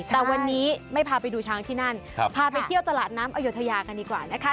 แต่วันนี้ไม่พาไปดูช้างที่นั่นพาไปเที่ยวตลาดน้ำอยุธยากันดีกว่านะคะ